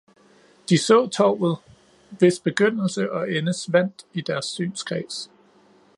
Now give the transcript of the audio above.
De så tovet, hvis begyndelse og ende svandt i deres synskreds